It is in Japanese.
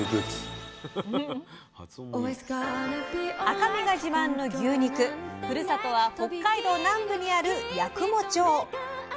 赤身が自慢の牛肉ふるさとは北海道南部にある八雲町！